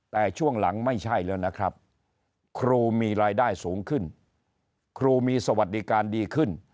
แต่ช่วงหลังไม่ใช่แล้วนะครับครูมีรายได้สูงขึ้นครูมีสวัสดิการดีขึ้น